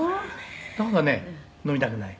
「なんかね飲みたくない」